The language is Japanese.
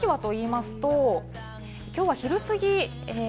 そして天気はといいますと、今日は昼過ぎ。